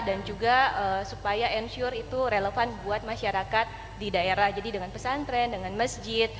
relevan buat masyarakat di daerah jadi dengan pesan tren dengan masjid